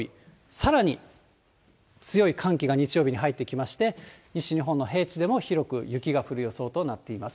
さらに強い寒気が、日曜日に入ってきまして、西日本の平地でも広く雪が降る予想となっています。